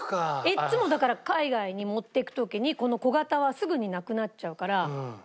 いつもだから海外に持っていく時にこの小形はすぐになくなっちゃうから。